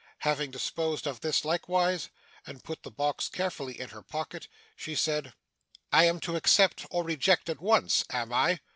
Having disposed of this likewise and put the box carefully in her pocket, she said, 'I am to accept or reject at once, am I?